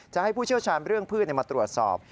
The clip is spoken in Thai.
ให้ผู้เชี่ยวชาญเรื่องพืชมาตรวจสอบ